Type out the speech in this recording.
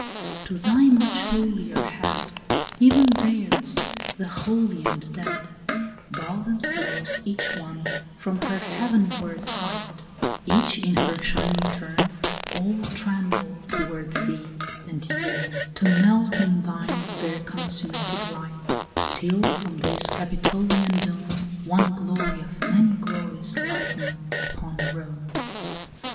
17 To thy much holier head Even theirs, the holy and dead, Bow themselves each one from her heavenward height; Each in her shining turn, All tremble toward thee and yearn To melt in thine their consummated light; Till from day's Capitolian dome One glory of many glories lighten upon Rome.